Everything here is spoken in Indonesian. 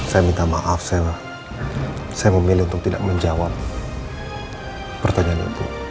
saya minta maaf saya memilih untuk tidak menjawab pertanyaan itu